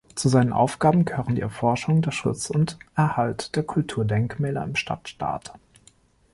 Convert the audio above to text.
Zu seinen Aufgaben gehören die Erforschung, der Schutz und Erhalt der Kulturdenkmäler im Stadtstaat.